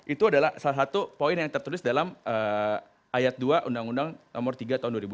itu adalah salah satu poin yang tertulis dalam ayat dua undang undang nomor tiga tahun dua ribu tujuh